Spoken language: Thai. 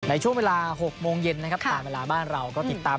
ในช่วงเวลา๖โมงเย็นนะครับตามเวลาบ้านเราก็ติดตาม